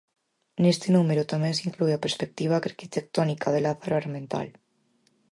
Neste número tamén se inclúe a perspectiva arquitectónica de Lázaro Armental.